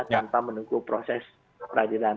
tanpa menunggu proses peradilan